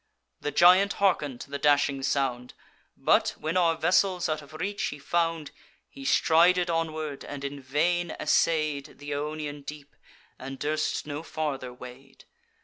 The giant harken'd to the dashing sound: But, when our vessels out of reach he found, He strided onward, and in vain essay'd Th' Ionian deep, and durst no farther wade.